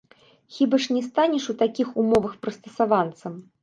Хіба ж не станеш у такіх умовах прыстасаванцам?